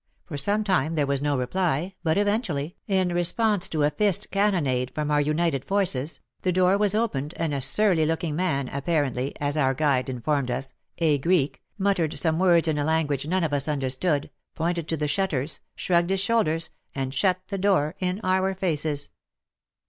For some time there was no reply, but eventually, in response to a fist cannonade from our united forces, the door was opened and a surly looking man, apparently — as our guide informed us — a Greek, muttered some words in a language none of us understood, pointed to the shutters, shrugged his shoulders, and shut the door in our faces.